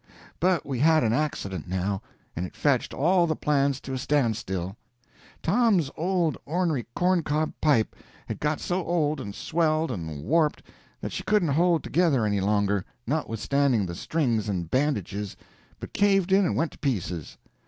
But we had an accident, now, and it fetched all the plans to a standstill. Tom's old ornery corn cob pipe had got so old and swelled and warped that she couldn't hold together any longer, notwithstanding the strings and bandages, but caved in and went to pieces.